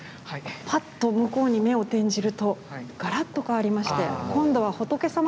ぱっと向こうに目を転じるとがらっと変わりまして今度は仏様たち仏画です。